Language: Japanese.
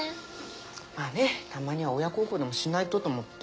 まあねたまには親孝行でもしないとと思って。